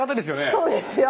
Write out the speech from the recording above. そうですよ！